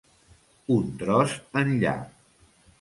Un tros enllà.